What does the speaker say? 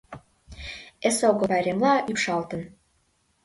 Эсогыл пайремла ӱпшалтын.